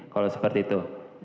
kalau seperti itu